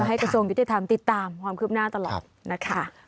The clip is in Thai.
มาให้กระทรวงพิทธิธรรมติดตามคลิปหน้าตลอดนะครับ